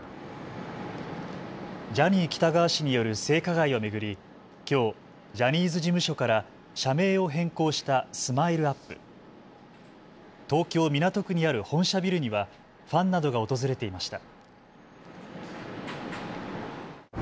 ジャニー喜多川氏による性加害を巡り、きょう、ジャニーズ事務所から社名を変更したＳＭＩＬＥ−ＵＰ．。東京港区にある本社ビルにはファンなどが訪れていました。